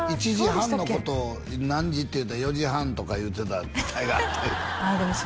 １時半のことを何時？って言うたら４時半とか言うてた時代があった